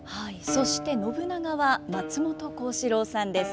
そして信長は松本幸四郎さんです。